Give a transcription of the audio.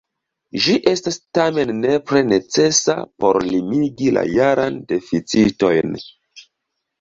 Ĝi estas tamen nepre necesa por limigi la jarajn deficitojn.